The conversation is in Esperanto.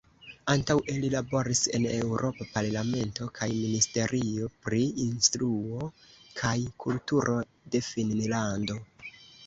Antaŭe li laboris en Eŭropa Parlamento kaj ministerio pri instruo kaj kulturo de Finnlando.